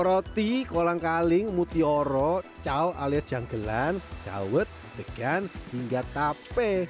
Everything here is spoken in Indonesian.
roti kolang kaling mutioro cao alias janggelan dawet degan hingga tape